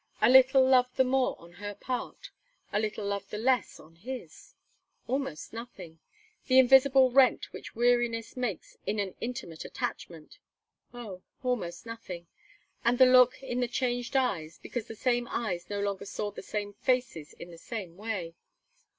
A little love the more on her part! A little love the less on his! Almost nothing the invisible rent which weariness makes in an intimate attachment oh! almost nothing and the look in the changed eyes, because the same eyes no longer saw the same faces in the same way.